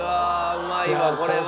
うまいわこれは。